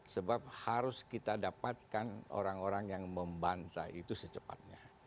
sebab harus kita dapatkan orang orang yang membantah itu secepatnya